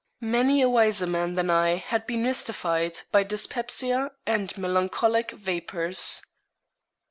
Many a wiser man than I had been mystified by dyspepsia and melancholic vapours.